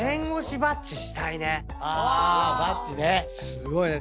すごいね。